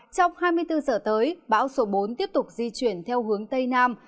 trong hai mươi bốn giờ tới bão số bốn tiếp tục di chuyển theo hướng tây nam